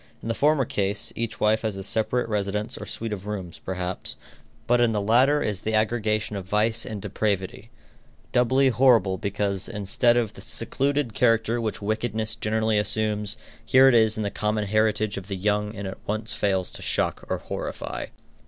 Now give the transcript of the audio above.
In the former case, each wife has a separate residence or suite of rooms, perhaps; but in the latter is the aggregation of vice and depravity, doubly horrible because, instead of the secluded character which wickedness generally assumes, here it is the common heritage of the young and at once fails to shock or horrify.